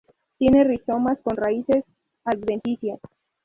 Tiene rizomas con raíces adventicias.